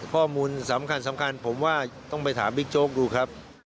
ข้อมูลสำคัญสำคัญผมว่าต้องไปถามบิ๊กโจ๊กดูครับ